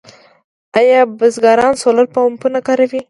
آیا بزګران سولر پمپونه کاروي؟